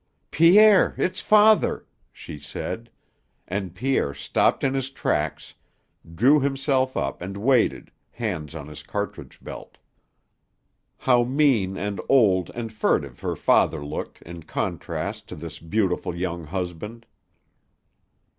"Pierre, it's Father!" she said. And Pierre stopped in his tracks, drew himself up and waited, hands on his cartridge belt. How mean and old and furtive her father looked in contrast to this beautiful young husband!